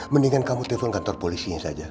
mendingan kamu telpon kantor polisinya saja